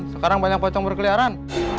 sekarang banyak pocong berkeliaran